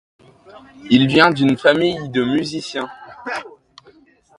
Il vient d'une famille de musiciens.